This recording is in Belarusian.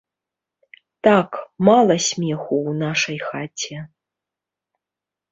Так, мала смеху ў нашай хаце.